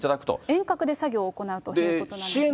遠隔で作業をしていただくということなんですね。